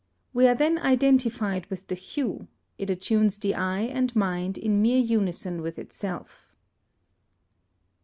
We are then identified with the hue, it attunes the eye and mind in mere unison with itself.